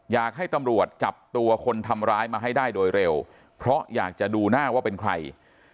อยากให้ตำรวจจับตัวคนทำร้ายมาให้ได้โดยเร็วเพราะอยากจะดูหน้าว่าเป็นใคร